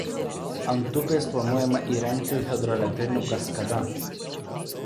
Ant upės planuojama įrengti hidroelektrinių kaskada.